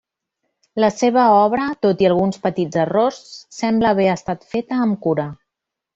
La seva obra, tot i alguns petits errors, sembla haver estat feta amb cura.